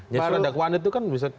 jadi suradakwan itu kan bisa